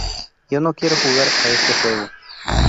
Yo no quiero jugar a ese juego".